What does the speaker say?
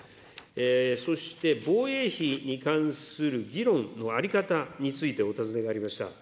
そして、防衛費に関する議論の在り方についてお尋ねがありました。